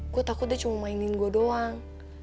gue takut dia cuma mainin gue doang